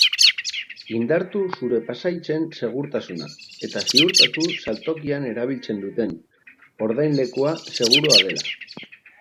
Indartu zure pasahitzen segurtasuna, eta ziurtatu saltokian erabiltzen duten ordainlekua segurua dela.